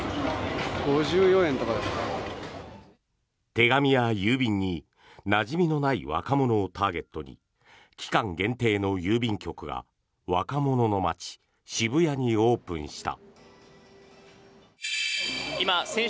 手紙や郵便になじみのない若者をターゲットに期間限定の郵便局が若者の街、渋谷にオープンした。